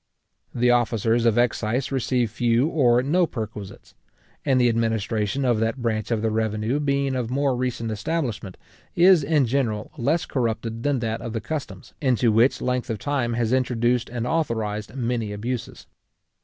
The officers of excise receive few or no perquisites; and the administration of that branch of the revenue being of more recent establishment, is in general less corrupted than that of the customs, into which length of time has introduced and authorised many abuses.